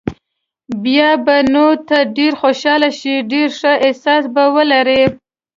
بیا به نو ته ډېر خوشاله شې، ډېر ښه احساس به ولرې.